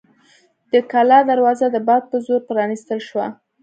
د کلا دروازه د باد په زور پرانیستل شوه.